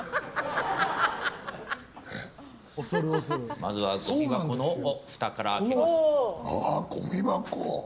まずはごみ箱のふたから開けます。